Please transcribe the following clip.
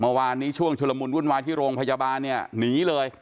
เมื่อวานนี้ช่วงชุลมุนวุ่นวายที่โรงพยาบาลเนี่ยหนีเลย